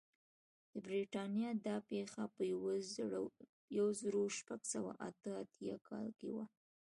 د برېټانیا دا پېښه په یو زرو شپږ سوه اته اتیا کال کې وه.